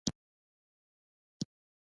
انسان تل د نظم د لټون په حال کې دی.